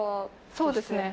そうですね。